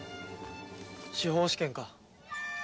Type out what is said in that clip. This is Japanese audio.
司法試験か。